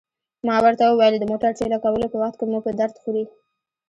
ما ورته وویل: د موټر ټېله کولو په وخت کې مو په درد خوري.